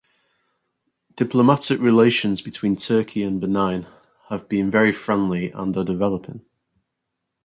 Diplomatic relations between Turkey and Benin have been very friendly and are developing.